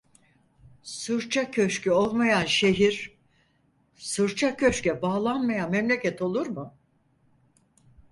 Sırça köşkü olmayan şehir, sırça köşke bağlanmayan memleket olur mu?